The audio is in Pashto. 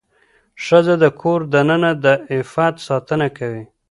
ښځه د کور دننه د عفت ساتنه کوي.